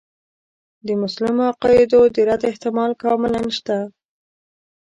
د مسلمو عقایدو د رد احتمال کاملاً شته.